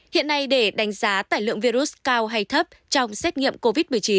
hiện nay để đánh giá tải lượng virus cao hay thấp trong xét nghiệm covid một mươi chín